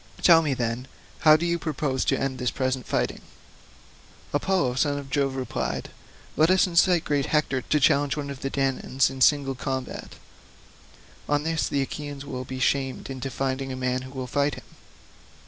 Tell me, then, how do you propose to end this present fighting?" Apollo, son of Jove, replied, "Let us incite great Hector to challenge some one of the Danaans in single combat; on this the Achaeans will be shamed into finding a man who will fight him."